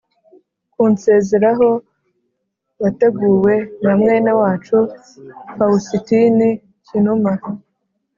kunsezeraho wateguwe na mwene wacu fawusitini kinuma,